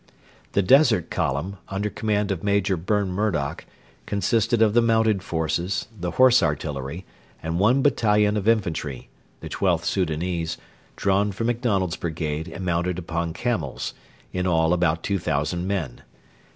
The Desert Column, under command of Major Burn Murdoch, consisted of the mounted forces, the Horse Artillery, and one battalion of infantry (the XIIth Soudanese) drawn from MacDonald's brigade and mounted upon camels: in all about two thousand men.